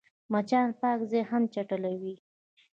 مچان پاک ځای هم چټلوي